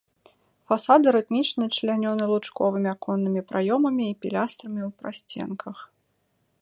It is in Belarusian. Фасады рытмічна члянёны лучковымі аконнымі праёмамі і пілястрамі ў прасценках.